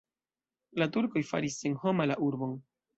La turkoj faris senhoma la urbon.